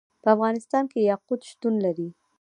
په افغانستان کې یاقوت شتون لري.